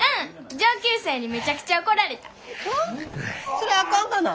それあかんがな。